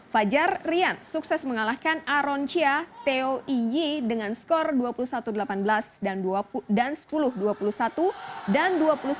fajar rian sukses mengalahkan aroncia teo y dengan skor dua puluh satu delapan belas dan sepuluh dua puluh satu dan dua puluh satu sembilan belas